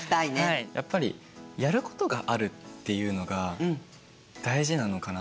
やっぱりやることがあるっていうのが大事なのかなって。